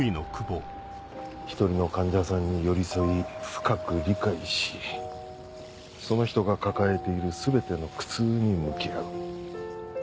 １人の患者さんに寄り添い深く理解しその人が抱えている全ての苦痛に向き合う。